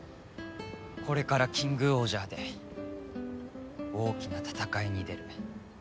これからキングオージャーで大きな戦いに出る。